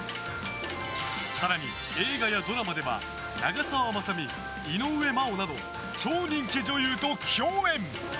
更に映画やドラマでは長澤まさみ、井上真央など超人気女優と共演！